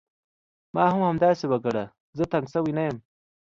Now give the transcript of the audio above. ما هم همداسې وګڼه، زه تنګ شوی نه یم.